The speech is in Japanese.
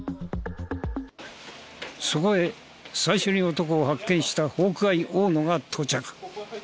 そこへ最初に男を発見したホークアイ大野が到着。